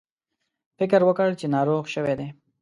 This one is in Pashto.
فکر وکړ چې ناروغ شوي دي.